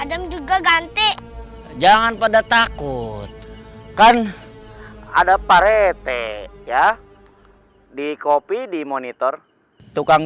adam juga ganti jangan pada takut kan ada parete ya di copy di monitor tukang